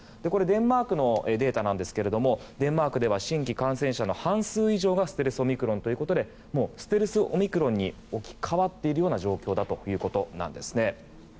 デンマークのデータですがデンマークでは新規感染者の半数以上がステルスオミクロンということでもうステルスオミクロンに置き換わっている状況だということなんですね。